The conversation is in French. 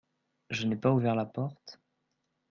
Je n'ai pas ouvert la porte ?